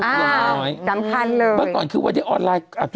อ้าวสำคัญเลยเมื่อก่อนคือว่าออนไลน์